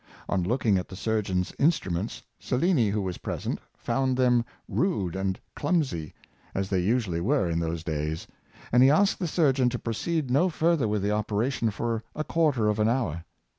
On looking at the surgeon's instruments, Cellini, who was present, found them rude and clumsy, as they usually were in those days, and he asked the surgeon to proceed no further with the operation for a quarter of an hour.